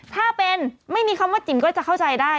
ถ้าเป็นไม่มีคำว่าจิ๋มก็จะเข้าใจได้